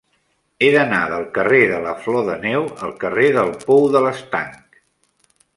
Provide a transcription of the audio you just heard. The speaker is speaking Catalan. He d'anar del carrer de la Flor de Neu al carrer del Pou de l'Estanc.